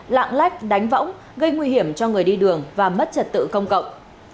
lạng lách đánh võng gây nguy hiểm cho người đi đường và mất trật tự công cộng